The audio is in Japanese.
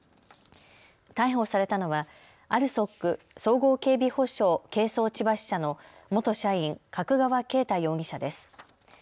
逮捕されたのはＡＬＳＯＫ綜合警備保障警送千葉支社の元社員、角川恵太容疑者です。